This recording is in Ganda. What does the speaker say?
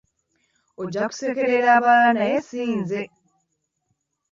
Ojja kusekerera abalala naye si nze.